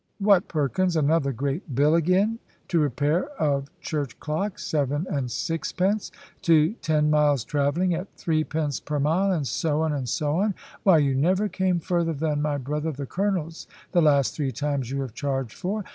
"What, Perkins! another great bill again! 'To repair of church clock, seven and sixpence; to ten miles' travelling, at threepence per mile,' and so on, and so on! Why, you never came further than my brother the Colonel's, the last three times you have charged for.